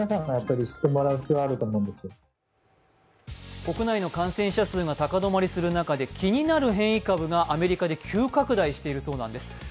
国内の感染者数が高止まりする中で、気になる変異株がアメリカで急拡大しているそうなんです。